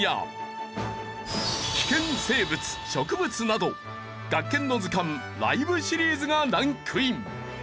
『危険生物』『植物』など『学研の図鑑ＬＩＶＥ』シリーズがランクイン。